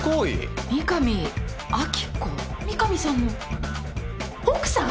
三神さんの奥さん？